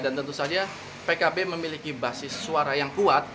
dan tentu saja pkp memiliki basis suara yang kuat